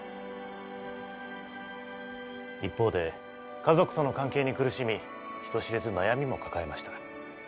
一方で家族との関係に苦しみ人知れず悩みも抱えました。